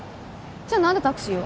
じゃ何でタクシーを？